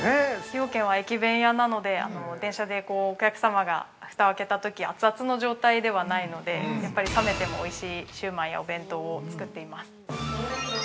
◆崎陽軒は駅弁屋なので、電車でお客様がふたを開けたとき熱々の状態ではないので、冷めてもおいしいシウマイ、お弁当を作っています。